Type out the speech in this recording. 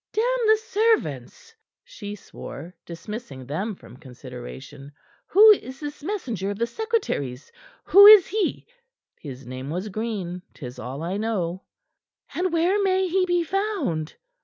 "Damn the servants!" she swore, dismissing them from consideration. "Who is this messenger of the secretary's? Who is he?" "He was named Green. 'Tis all I know." "And where may he be found?"